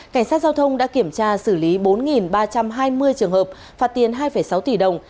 cảnh sát giao thông đã kiểm tra xử lý bốn ba trăm hai mươi trường hợp phạt tiền hai sáu tỷ đồng